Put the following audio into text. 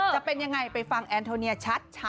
จะเป็นยังไงไปฟังแอนโทเนียชัด